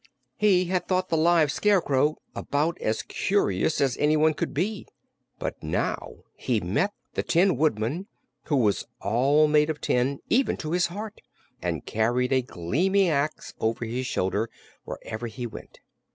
He had thought the live Scarecrow about as curious as anyone could be, but now he met the Tin Woodman, who was all made of tin, even to his heart, and carried a gleaming axe over his shoulder wherever he went.